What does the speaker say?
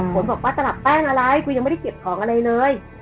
บอกว่าตลับแป้งอะไรกูยังไม่ได้เก็บของอะไรเลย